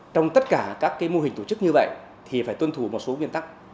trong tất cả các mô hình tổ chức như vậy thì phải tuân thủ một số nguyên tắc